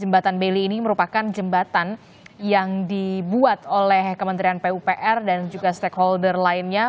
jembatan beli ini merupakan jembatan yang dibuat oleh kementerian pupr dan juga stakeholder lainnya